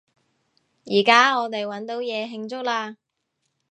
依加我哋搵到嘢慶祝喇！